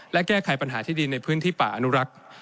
และแก้ไขปัญหาที่ดินในพื้นที่ป่าอนุรักษ์